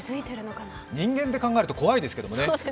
人間で考えると怖いですけどもね。